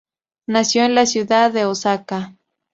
Nació en la ciudad de Osaka.